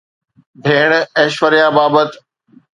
ڀيڻ ايشوريا بابت